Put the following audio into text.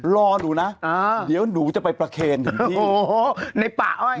รอหนูนะเดี๋ยวหนูจะไปประเครนถึงที่